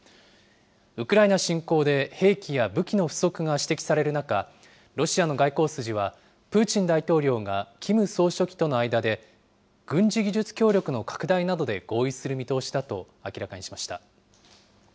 ウクライナ侵攻で、兵器や武器の不足が指摘される中、ロシアの外交筋は、プーチン大統領がキム総書記との間で、軍事技術協力の拡大などで合意する見通しだと明らかにしました。